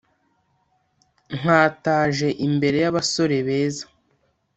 Nkataje imbere y’abasore beza